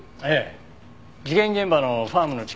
事件現場のファームの近くですけど。